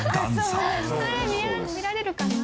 「それ見られるかな？」